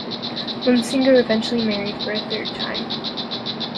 Munsinger eventually married for a third time.